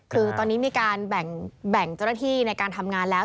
คือตอนนี้มีการแบ่งเจ้าหน้าที่ในการทำงานแล้ว